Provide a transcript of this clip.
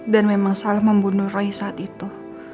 dan memang salah membunuh roy saat itu